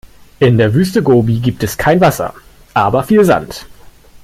In der Wüste Gobi gibt es kein Wasser, aber viel Sand.